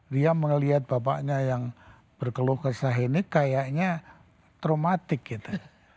dia melihat bapaknya yang berkeluh kesah ini kayaknya traumatik gitu